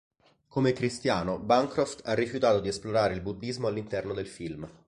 Come cristiano, Bancroft ha rifiutato di esplorare il buddismo all'interno del film.